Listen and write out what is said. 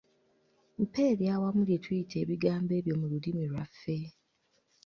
Mpa ery’awamu lye tuyita ebigambo ebyo mu lulimi lwaffe.